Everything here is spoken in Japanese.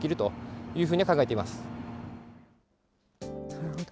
なるほど。